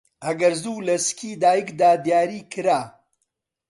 ئەگەر زوو لەسکی دایکدا دیاریکرا